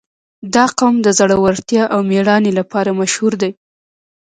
• دا قوم د زړورتیا او مېړانې لپاره مشهور دی.